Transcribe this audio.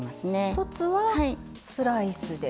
一つはスライスで。